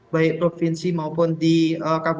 baik provinsi maupun di kabupaten